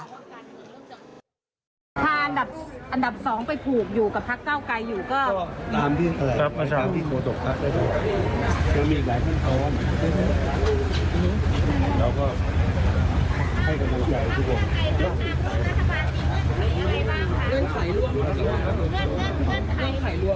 เงื่อนไขร่วงมีอะไรนะคะถ้าเขามาท่าท่าพราหมณ์นะคะ